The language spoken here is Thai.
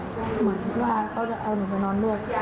เหมือนว่าเขาจะเอาหนูไปนอนนวด